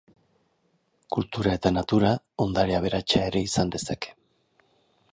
Kultura eta natura ondare aberatsa ere izan dezake.